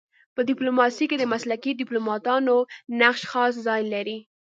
په ډيپلوماسی کي د مسلکي ډيپلوماتانو نقش خاص ځای لري.